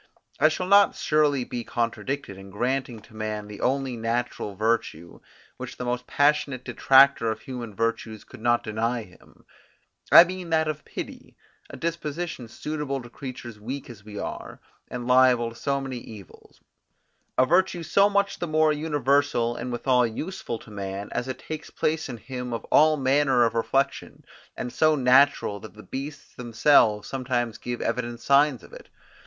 I shall not surely be contradicted, in granting to man the only natural virtue, which the most passionate detractor of human virtues could not deny him, I mean that of pity, a disposition suitable to creatures weak as we are, and liable to so many evils; a virtue so much the more universal, and withal useful to man, as it takes place in him of all manner of reflection; and so natural, that the beasts themselves sometimes give evident signs of it.